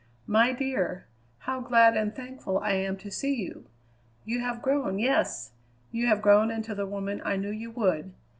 My dear! how glad and thankful I am to see you. You have grown yes; you have grown into the woman I knew you would.